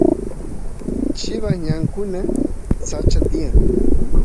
chivas ñankuna sacha tiyan